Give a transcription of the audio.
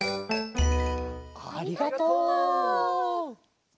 ありがとう！